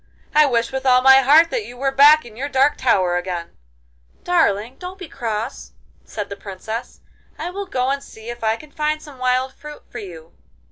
I wish with all my heart that you were back in your dark tower again.' 'Darling, don't be cross,' said the Princess. 'I will go and see if I can find some wild fruit for you.